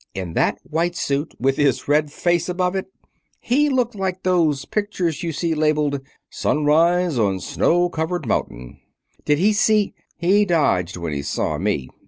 In that white suit, with his red face above it, he looked like those pictures you see labeled, 'Sunrise on Snow covered Mountain.'" "Did he see " "He dodged when he saw me.